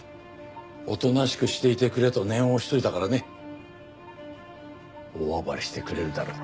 おとなしくしていてくれと念を押しておいたからね大暴れしてくれるだろう。